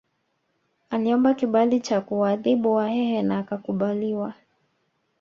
Aliomba kibali cha kuwaadhibu Wahehe na akakubaliwa